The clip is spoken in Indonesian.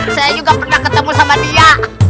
saya juga pernah ketemu sama dia